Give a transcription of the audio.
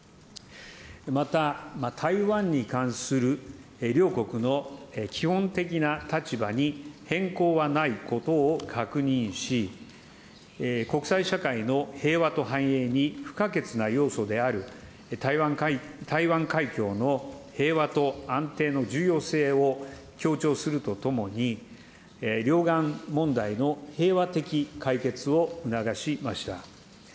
また台湾に関する両国の基本的な立場に変更はないことを確認し、国際社会の平和と繁栄に不可欠な要素である台湾海峡の平和と安定の重要性を強調するとともに、両岸問題の平和的解決を促しました。